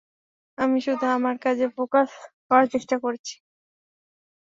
আমি শুধু আমার কাজে ফোকাস করার চেষ্টা করছি।